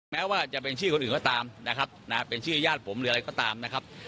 แม้ว่าจะเป็นชื่อคนอื่นก็ตามนะครับเป็นชื่อญาติผมหรืออะไรก็ตามนะครับ